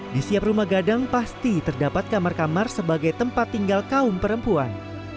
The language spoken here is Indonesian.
di setiap rumah gadang pasti terdapat kamar kamar sebagai tempat tinggal kaum perempuan